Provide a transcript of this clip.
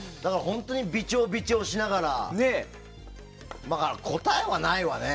微調、微調しながら答えはないわね。